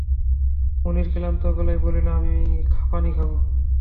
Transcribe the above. মুনির ক্লান্ত গলায় বলল, পানি খাব।